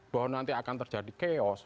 bahwa nanti akan terjadi chaos